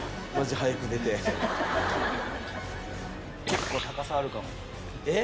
結構高さあるかも。えっ！